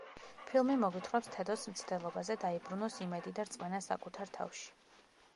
ფილმი მოგვითხრობს თედოს მცდელობაზე, დაიბრუნოს იმედი და რწმენა საკუთარ თავში.